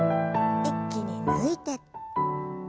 一気に抜いて。